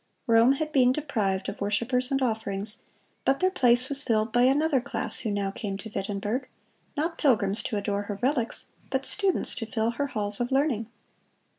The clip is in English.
Rome had been deprived of worshipers and offerings, but their place was filled by another class, who now came to Wittenberg, not pilgrims to adore her relics, but students to fill her halls of learning.